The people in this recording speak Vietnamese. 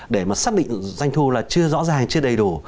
để mà xác định doanh thu là chưa rõ ràng chưa đầy đủ